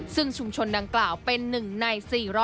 ซึ่งชุมชนดังกล่าวเป็น๑ใน๔๐๐